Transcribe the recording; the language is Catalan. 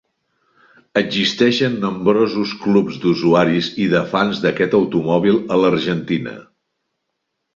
Existeixen nombrosos clubs d'usuaris i de fans d'aquest automòbil a l'Argentina.